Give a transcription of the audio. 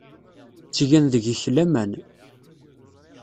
Ttgen deg-k laman.